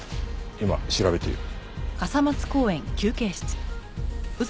今調べている。